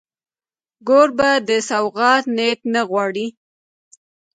کوربه د سوغات نیت نه غواړي.